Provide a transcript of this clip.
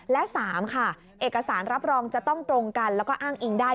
และ๓ค่ะเอกสารรับรองจะต้องตรงกันแล้วก็อ้างอิงได้